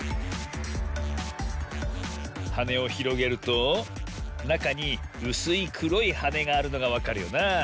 はねをひろげるとなかにうすいくろいはねがあるのがわかるよなあ。